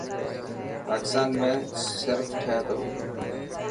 پاڪستان ۾ صرف ٺهي تو.